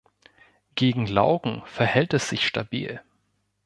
Gegen Laugen verhält es sich stabil.